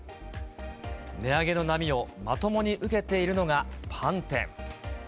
値上げの波をまともに受けているのが、パン店。